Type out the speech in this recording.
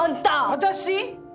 私？